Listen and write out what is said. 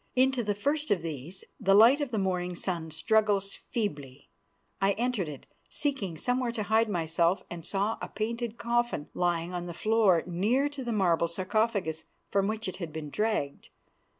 Into the first of these the light of the morning sun struggles feebly. I entered it, seeking somewhere to hide myself, and saw a painted coffin lying on the floor near to the marble sarcophagus from which it had been dragged.